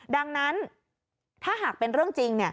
ดังนั้นถ้าหากเป็นเรื่องจริง